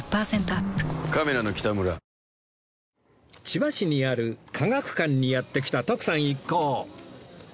千葉市にある科学館にやって来た徳さん一行